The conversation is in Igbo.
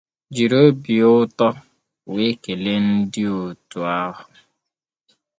jiri ọbi ụtọ wee kelee ndị otu ahụ